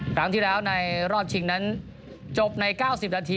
ครั้งที่แล้วในรอบชิงนั้นจบใน๙๐นาที